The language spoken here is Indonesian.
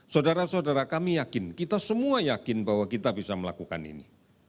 saudara saudara kami yakin kita semua yakin bahwa kita bisa melakukan ini